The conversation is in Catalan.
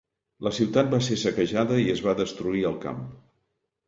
La ciutat va ser saquejada i es va destruir el camp.